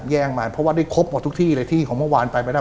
แย่งมันเพราะว่าได้ครบหมดทุกที่เลยที่ของเมื่อวานไปไม่ได้